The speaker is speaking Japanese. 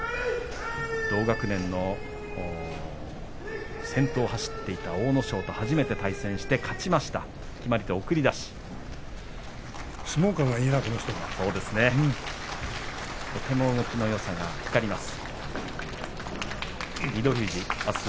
同学年の先頭を走っていた阿武咲と初めて対戦して勝ちました、翠富士です。